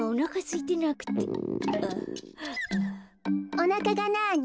おなかがなに？